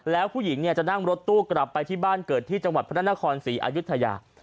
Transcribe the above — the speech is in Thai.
แล้วผู้หญิงจะนั่งรถตู้กลับไปที่บ้านเกิดที่จังหวัดพระนครศรีอายุทยา